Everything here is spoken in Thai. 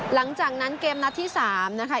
หลังจากนั้นเกมนัดที่๓นะคะ